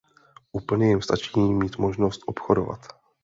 Úplně jim stačí mít možnost obchodovat.